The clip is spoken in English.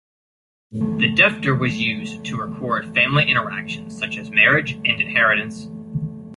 The defter was used to record family interactions such as marriage and inheritance.